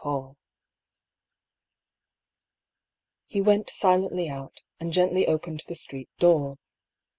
Paull. He went silently out, and gently opened the street door.